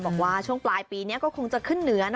บอกว่าช่วงปลายปีนี้ก็คงจะขึ้นเหนือ